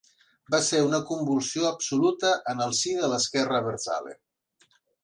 Va ser una convulsió absoluta en el si de l’esquerra abertzale.